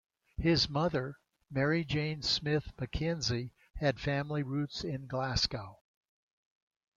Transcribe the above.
His mother Mary Jane Smith MacKenzie had family roots in Glasgow.